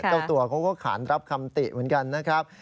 เจ้าตัวเขาก็ขานรับคำติเหมือนกันนะครับ